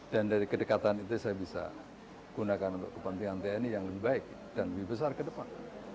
dan dari kedekatan itu saya bisa gunakan untuk kepentingan tni yang lebih baik dan lebih besar ke depan